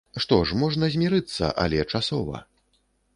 Што ж, можна змірыцца, але часова.